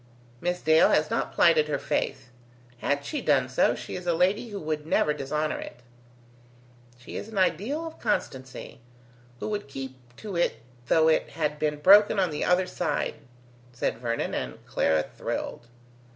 Miss Dale has not plighted her faith. Had she done so, she is a lady who would never dishonour it." "She is an ideal of constancy, who would keep to it though it had been broken on the other side," said Vernon, and Clara thrilled.